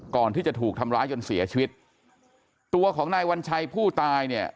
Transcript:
ก่อนที่จะถูกทำร้ายจนเสียชีวิตตัวของนายวัญชัยผู้ตายเนี่ย